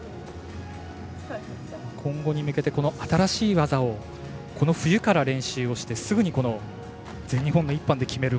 今後に向けて、新しい技をこの冬から練習してすぐに全日本の１班で決める